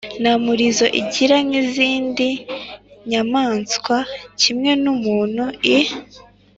nta murizo igira nk’izindi nyamaswa. Kimwe n’umuntu, i